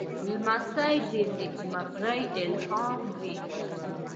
لمسی د نېکمرغۍ الهام وي.